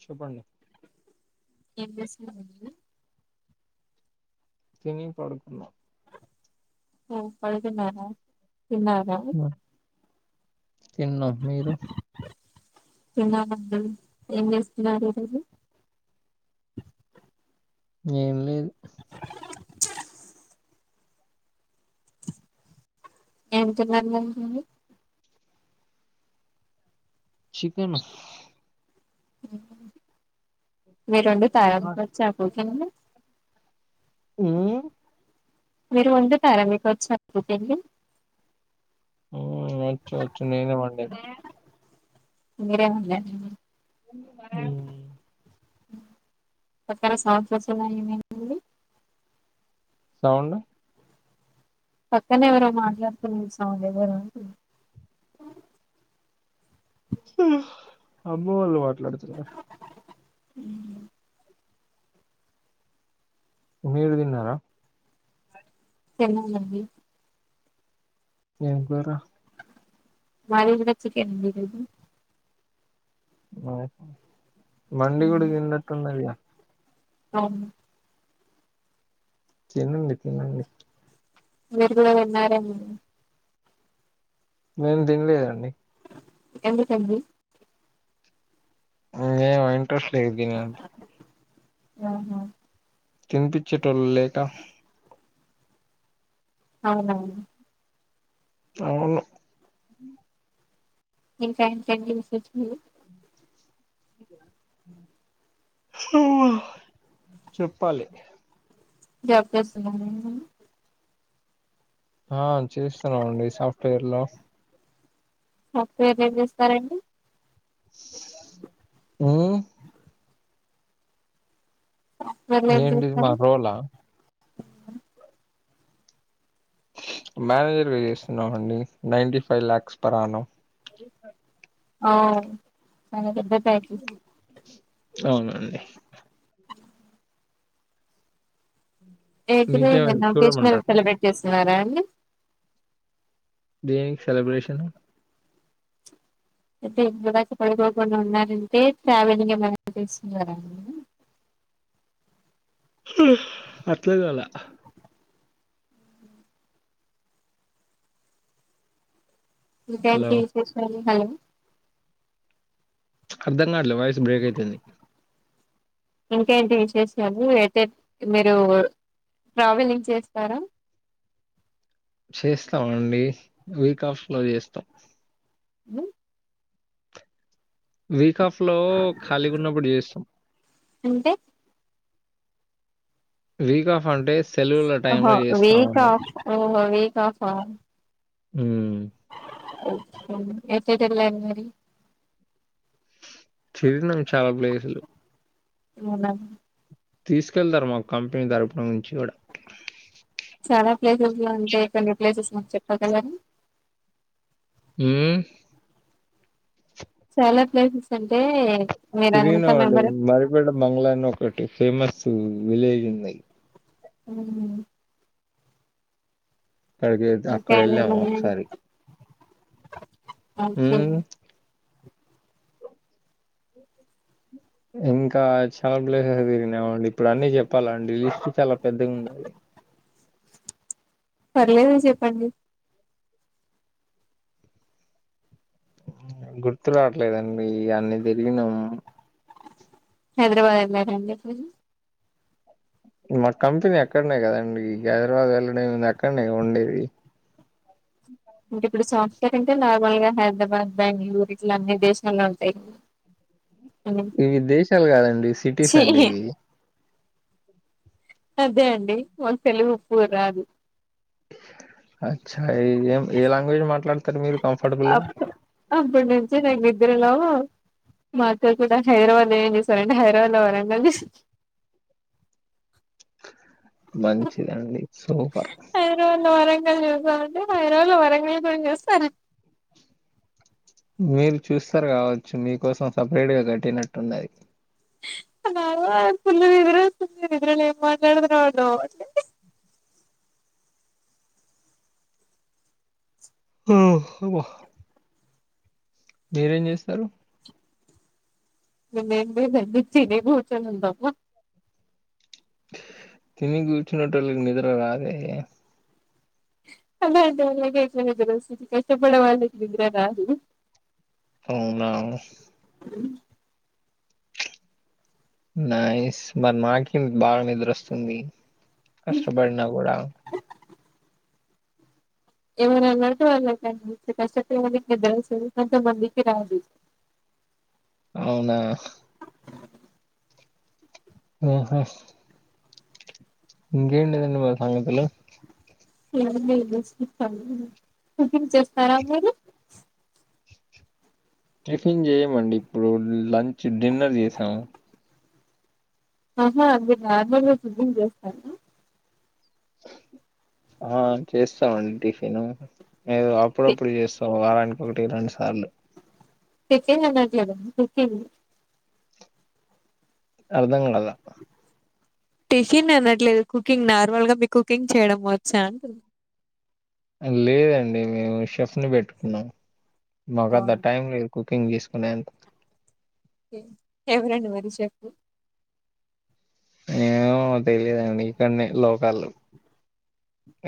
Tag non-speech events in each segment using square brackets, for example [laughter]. చెపండి ఏంజెస్ [unintelligible] తిని పడుకున్నా ఒ పడుదున్నారా తిన్నారా తిన్న మీరు తిన్నమండి ఏం చేస్తున్నారు మిర్రు ఏం లేద్ ఎం తిన్నర్ [unintelligible] చికెను మీరొండుతారా మీకోచ్చ [unintelligible] ఉమ్ మీరు వండుతారా మీకొచ్చ [unintelligible] ఓ వచ్చు వచ్చు నేనేవండినా మీరే వండా [unintelligible] ఉమ్ పక్కన సౌండ్స్ వస్తున్నాయి ఏమైందండి సౌండ్ పక్కనే ఎవరో మాట్లాడుతున్నారు సౌండ్ ఎవరు అంటున్న అమ్మ వాళ్ళు మాట్లాడుతున్నారు ఉహ్మ్ మీరు దిన్నర తినాలండి ఏం కూర మది కూడా చికెన్ అండి ఈ రోజు మండి కూడా తిన్నట్టున్నదిగా అవు తినండి తినండి మీరు గూడ తిన్నారేమో [unintelligible] మేం దిన్లేదండి ఎందుకండి ఏమో ఇంట్రెస్ట్ లేద్ దీన [unintelligible] అవునా తినిపిచ్చేటోల్ లెటా అవునా అవును ఇంకెంటండి విశేషాలు చెప్పాలి జాబ్ చేస్తున్నారా ఆ చేస్తున్నామండి సాఫ్ట్‌వేర్ లో సాఫ్ట్‌వేర్ లో ఏం చేస్తారండి మ్ సాఫ్ట్వేర్లు ఏం ఎంటిది మా చేస్తారు రోలా మేనేజర్గా చేస్తున్నామండి ninety five lakhs per annum ఓ చాలా పెద్ద ప్యాకేజ్ అవునండి ఏంటి మీర్ మీకేమైనా ఏమన్న అకేశినల్ చూడమంటారా సెలబ్రేట్ చేస్తున్నారా అండి దేనికి సెలబ్రేషన్ [unintelligible] పడికోకుండా ఉన్నారంటే ట్రావెలింగ్ ఏమైనా చేస్తున్నారా మీరు అట్లా కాలే హలో ఇంకేంటి విశేషాలు హలో అర్ధం కాట్లె వాయిస్ బ్రేక్ అయితుంది ఇంకేంటి విశేషలు ఏటేట్ మీరు ట్రావెల్లింగ్ చేస్తారా చేస్తాం అండి వీక్ ఆఫ్ ల చేస్తాం మ్ వీక్ హాఫ్ లో కాలిగున్నప్పుడు చేస్తాం అంటే వీక్ ఆఫ్ అంటే సెలవుల టైమ్ ఓహో లో వీక్ చేస్తామన్నాం ఆఫ్ ఓహో వీక్ ఆఫ్ ఆ మ్ మ్ ఎటెటెల్లారు మరి తిరినాం చాలా ప్లేస్లు అవునా తీసుకెళ్తారు మా కంపెనీ తరపున నుంచి కూడా చాలా ప్లేసెస్ లంటే కొన్ని ప్లేసెస్ మాకు చెప్పగలరా మ్ చాలా ప్లేసెస్ అండి తిరిగినమండి మరిబేడ బంగ్ళ అని ఒకటి ఫేమస్ మ్ విలేజ్ ఉంది మ్ అదే ద్ ఇంకా అక్కడెళ్ళాము ఏమేమున్నాయి ఒకసారి అ ఓకే ఉమ్ ఇంకా చాలా ప్లేసెస్ తిరినామండి ఇప్పుడు అన్నీ చెప్పాలండి లిస్ట్ చాలా పెద్దగుంది పర్లేదు చెప్పండి గుర్తు రావట్లేదండి అన్ని తిరిగినమ్ హైదరాబాద్ వెళ్లారండి ప్ మా కంపెనీ అక్కడనే కదండి హైదరాబాద్ వెళ్ళడు ఏం ఉంది అక్కడనే కద ఉండేది అంటే ఇప్పుడు సాఫ్ట్‌వేర్ అంటే నార్మల్ గా హైదరాబాద్ బెంగళూరు ఇట్లా విదేశాల్లో ఉంటాయ్ ఇవి దేశాల్ కాదండి సిటీస్ అండి ఇవి అదే అండి మాక్ తెలుగు ఉప్పు రాదు అచ్చా ఏం ఏ లాంగ్వేజ్ మాట్లాడుతారు మీరు కంఫర్టబుల్ గా అప్ అప్పుడి నుంచి నేం నిద్రలో మా అక్క కూడా హైదరాబాద్ లో ఏం చేస్తారంటే హైదరాబాద్ లో వరంగల్ మంచిదండి సూపర్ నెను చూసా అండి హైద్రాబాద్ లో వరంగల్ గురించి చూస్తా మీర్ చూస్తారు కావచ్చు మీకోసం సపరేట్ గా కట్టినట్టున్నది నవో ఫుల్ నిదర వస్తుంది నిద్ర లో ఏం మాట్లాతున్నానో అర్ధం అవ్వట్లే ఆ అబ్బా మీరేం చేశారు మేమేం లేదండి తిని కూర్చొని ఉన్నాం తిని కూర్చునేటోళ్లకి నిద్ర రాదే అలటోలకే ఎక్కువ నిద్ర ఒస్తది కష్టపడేవాళ్ళ కు నిద్ర రాదు అవునా నైస్ మరి మాకెందుకు బాగా నిద్ర వస్తుంది కష్టపడినా కూడా ఎవరు కనపడొతే వాళ్ళకి [unintelligible] కొంతమందికి రాదు అవునా ఆహా ఇంకేటిది అండి సంగతులు ఏం లేదు శికం టిఫిన్ చేస్తారా మీరు టిఫిన్ చేయమండి ఇప్పుడు లంచ్ డిన్నర్ చేసాము ఆహా అవి కాదు నార్మల్ గా టిఫిన్ చేస్తారా ఆ చేస్తామండి టిఫిను ఏదో టి అప్పుడప్పుడు చేస్తాము వారానికి ఒకటి రెండు సార్లు టిఫిన్ అనట్లేదు కుకింగ్ అర్థంగాల టిఫిన్ అనట్లేదు కుకింగ్ నార్మల్ గా మీకు కుకింగ్ చేయడం వచ్చా అంటున్న లేదండి మేము షెఫ్ ని పెట్టుకున్నాం మాకు అంత అవునా టైం లేదు కుక్ కుకింగ్ చేసుకునేంత ఎవరండి మరి చెఫ్ఫు ఏమో తెలిదండి ఇక్కన్నె లోకల్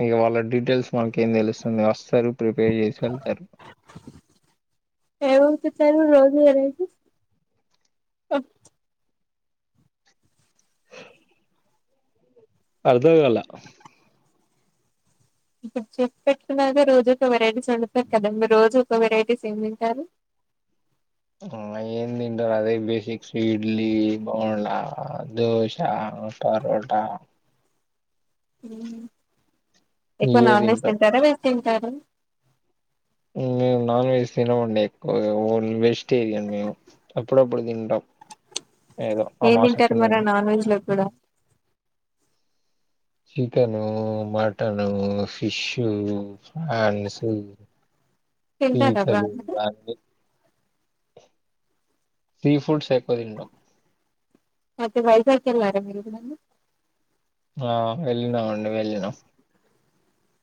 ఇగ వాళ్ళ డీటెయిల్స్ మనకి ఏం తెలుస్తుంది వస్ స్తరు ప్రిపేర్ చేసి వెళ్తారు ఈ రోజు వెరైటీస్ అర్ధంగాల ఇప్పుడు చెఫ్ పెట్టుకున్నారుగా రోజు ఒక వెరైటీస్ వండుతారు కదా రోజు ఒక వెరైటీస్ ఎం తింటారు ఆ ఎం తింటరు అదే బేసిక్స్ ఇడ్లీ బొండా దోశ అ పరోటా ఎక్కువ ఇయే నాన్ వెజ్ తింటాం తింటారా వెజ్ తింటారా ఇంగ నాన్ వెజ్ తినమండి ఎక్కువగా ఓన్ వెజిటేరియన్ మేము అప్పుడప్పుడు తింటాం ఏదో ఏం అమావాస్య తింటారు మరా పుణ్యానికి నాన్ వెజ్ లో ఎక్కువగా చికెను మటను ఫిషు ఫన్సు తింటారా పీతలు ఇగ బాగా అన్ని సీ ఫుడ్స్ ఎక్కువ తింటాం అయితే వైజాగ్ వెళ్ళారా మీరు ఎప్పుడన్న ఆ వెళ్ళినం అండి వెళ్ళినం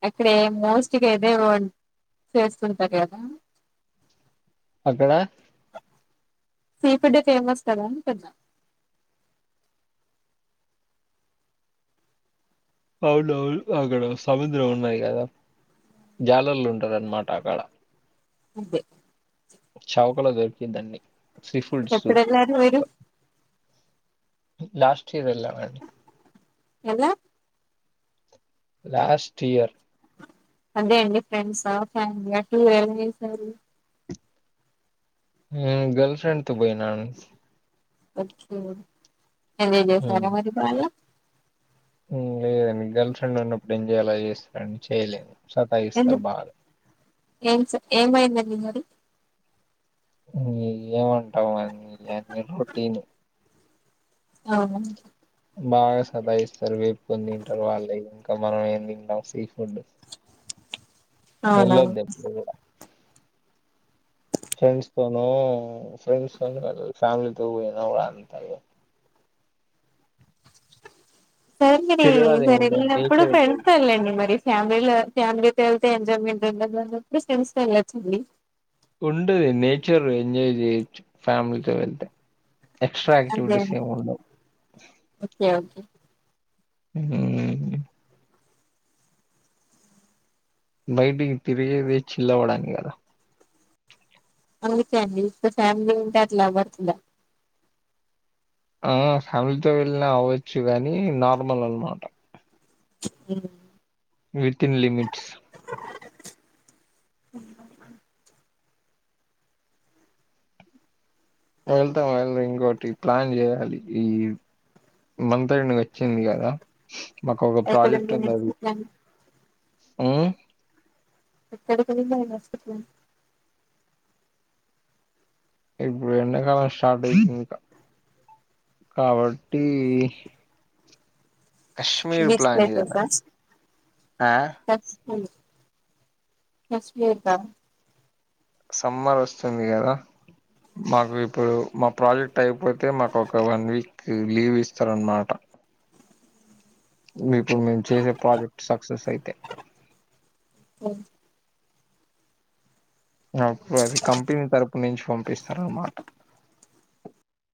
అక్కడే మోస్ట్ గా ఏదేవో చేస్తుంటారు కదా అక్కడ సీ ఫుడ్ ఏ ఫేమస్ కదా అంటున్న అవునవును అక్కడ సముద్రం ఉన్నదిగా జాలర్లు ఉంటారు అన్నమాట అక్కడ అదే చౌకలో దొరికిదండి ఎప్పుడెళ్లారు మీరు లాస్ట్ ఇయర్ వెళ్ళాం అండి ఎలా లాస్ట్ ఇయర్ అదే అండి ఫ్రెండ్సా ఫ్యామిలీ త్రు ఎలా ఏళ్ళరు ఉమ్ గర్ల్ ఫ్రెండ్తో పోయినండి ఒకే ఎంజాయ్ ఉమ్, చేశారా మరి బాగా ఉమ్ లేదండి గర్ల్ ఫ్రెండ్ ఉన్నప్పుడు ఎంజాయ్ ఎలా చేస్తారండి చేయలే ఎందు సతాయిస్తరు బాగా ఏం స ఏమైందండి మరి ఏమంటాం అండి ఇవ్వన్ని రొటీన్ అవునండి బాగా సతాయిస్తారు వేపుకొని తింటారు వాళ్ళే ఇంకా మనమేం తింటాం సి వద్దు, అవునా వెళ్లొద్దు ఎపుడు కూడా ఫ్రెండ్స్ తోనూ ఫ్రెండ్స్ తో వెళ్లలేను ఫ్యాలీతో పోయినా బానేటదిలే సరే మరి తిరగడాలు ఏమి ఈసారి ఉండదు వెళ్ళినప్పుడు నేచర్ ఎంజాయ్ ఫ్రెండ్స తో వెళ్ళండి మరి ఫ్యామిలీలో ఫ్యామిలీతో వెళ్తే ఎంజాయ్మెంట్ ఉన్నడదు కాబట్టి ఫ్రెండ్స్ తో వెళ్ళిచానండీ ఉంటది నేచర్ ఎంజాయ్ చేయొచ్చు ఫ్యామిలీతో వెళ్తే ఎక్స్ట్రా అదే యాక్టివిటీస్ అండి. ఏముండవు ఓకే ఓకే ఉమ్ బయటికి తిరిగేది చిల్ అవ్వడానికి కదా. అవునులేదండి ఫ్యామిలీ ఉంటెయ్ అట్లా అవ్వదు లే ఆ ఫ్యామిలీతో వెళ్ళినా అవ్వచ్చు కాని నార్మల్ అనమాట ఉమ్ వితిన్ లిమిట్స్ వెళ్తాం వెళ్ళాలింకోటి ప్లాన్ చేయాలి ఈ ఇయర్ మంథెండ్ వచ్చింది కదా మాకు ఒక ప్రాజెక్ట్ ఎక్కడుంది ఉంది అది నెక్స్ట్ ప్లాన్ ఉమ్ ఎక్కడికెళ్లినా ఎ హాస్పిటల్ ఇప్పుడు ఎండకాలం స్టార్ట్ అయితుందీ ఇంక కాబట్టీ బీచ్ జేయాలి. ప్లేసెస్ ఆ! హ [unintelligible] సమ్మర్ వస్తుంది కదా మాకు ఇప్పుడు మా ప్రాజెక్ట్ అయిపోతే మాకు ఒక వన్ వీక్ లీవ్ ఇస్తారనమాట. మీకు మేము చేసే ప్రాజెక్ట్ సక్సెస్ అయితే ఆ నాకు అది అది కంపెనీ తరపు నుంచి పంపిస్తారన్నమాట